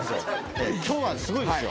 今日はすごいんですよ。